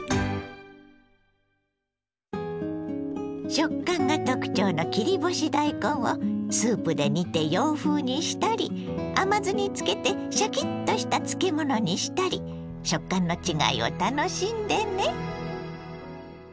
食感が特徴の切り干し大根をスープで煮て洋風にしたり甘酢に漬けてシャキッとした漬物にしたり食感の違いを楽しんでね。